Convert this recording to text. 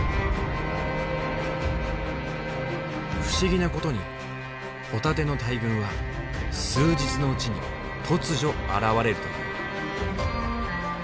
不思議なことにホタテの大群は数日のうちに突如現れるという。